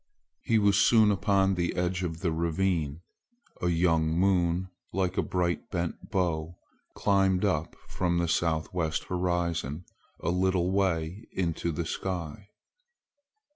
He was soon upon the edge of the ravine. A young moon, like a bright bent bow, climbed up from the southwest horizon a little way into the sky.